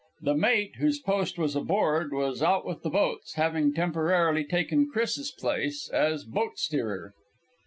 The mate, whose post was aboard, was out with the boats, having temporarily taken Chris's place as boat steerer.